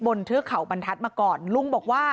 เทือกเขาบรรทัศน์มาก่อนลุงบอกว่า